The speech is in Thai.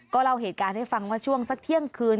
เล่าเหตุการณ์ให้ฟังว่าช่วงสักเที่ยงคืน